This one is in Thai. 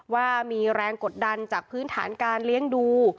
ว่ามีแรงกดดันจากพื้นฐานการเลี้ยงดู